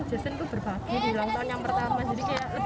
aku mengajarkan jason berbagi di langkah yang pertama